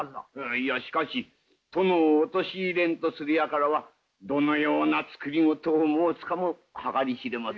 いやしかし殿を陥れんとするやからがどのような作り事を申すかも計り知れませぬ。